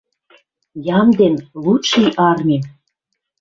Ямден лучший армим!